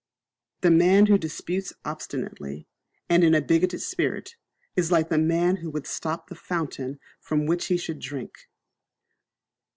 The man who disputes obstinately, and in a bigoted spirit, is like the man who would stop the fountain from which he should drink.